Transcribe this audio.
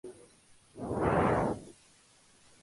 Jugaba como volante.